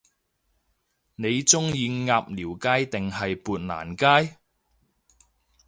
你鍾意鴨寮街定係砵蘭街？